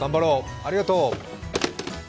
ありがとう。